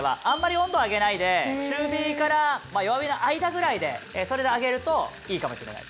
あんまり温度上げないで中火から弱火の間ぐらいでそれで揚げるといいかもしれないです。